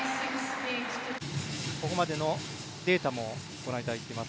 ここまでのデータもご覧いただいています。